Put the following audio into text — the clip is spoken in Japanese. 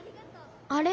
あれ？